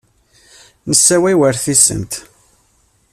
Nessewway war tisent.